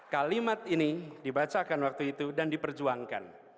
kalimat ini dibacakan waktu itu dan diperjuangkan